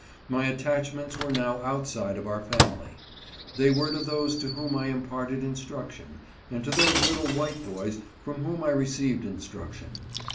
My attachments were now outside of our family. They were to those to whom I im parted instruction, and to those little white boys from whom I received instruction.